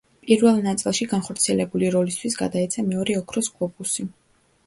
პირველ ნაწილში განხორციელებული როლისთვის გადაეცა მეორე ოქროს გლობუსი.